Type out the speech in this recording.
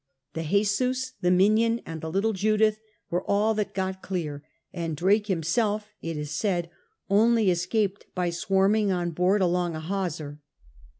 The JesuSy the Miniony and the little JvdUh were all that got clear, and Drake himself, it is said, only escaped by swarming on board along a hawser.